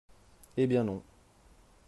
Eh bien non